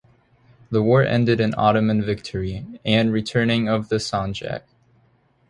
The war ended in Ottoman victory, and returning of the sanjak.